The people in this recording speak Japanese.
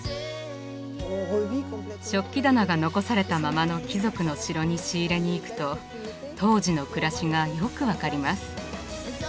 食器棚が残されたままの貴族の城に仕入れに行くと当時の暮らしがよく分かります。